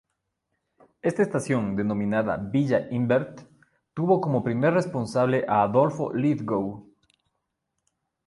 Esta estación -denominada Villa Imbert-- tuvo como primer responsable a Adolfo Lithgow.